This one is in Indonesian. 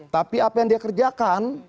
tapi apa yang dia kerjakan